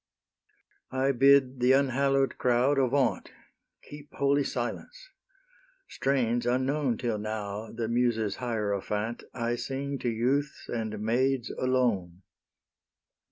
I bid the unhallow'd crowd avaunt! Keep holy silence; strains unknown Till now, the Muses' hierophant, I sing to youths and maids alone.